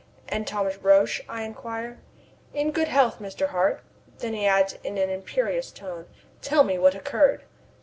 "And Thomas Roch?" I inquire. "In good health, Mr. Hart." Then he adds in an imperious tone: "Tell me what occurred!"